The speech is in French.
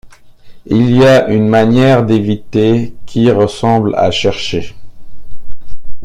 Il y a une manière d’éviter qui ressemble à chercher.